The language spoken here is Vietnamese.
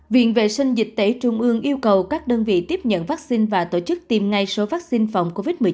viện vệ sinh dịch tễ trung ương yêu cầu các đơn vị tiếp nhận vaccine và tổ chức tiêm ngay số vaccine phòng covid một mươi chín